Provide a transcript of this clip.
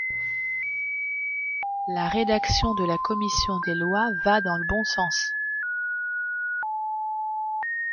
La rédaction de la commission des lois va dans le bon sens.